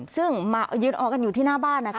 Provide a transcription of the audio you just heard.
ซึ่งมายืนออกันอยู่ที่หน้าบ้านนะคะ